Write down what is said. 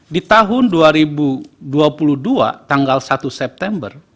di tahun dua ribu dua puluh dua tanggal satu september